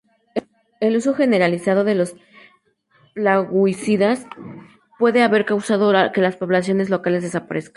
El uso generalizado de plaguicidas puede haber causado que las poblaciones locales desaparezcan.